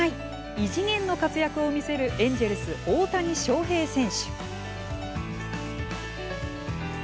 異次元の活躍を見せるエンジェルス、大谷翔平選手。